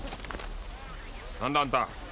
何だあんた？